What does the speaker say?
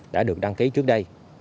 đã được đăng ký trước đây